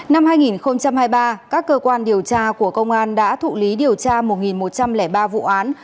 năm hai nghìn hai mươi ba các cơ quan điều tra của công an đã thụ lý điều tra một một trăm linh ba vụ án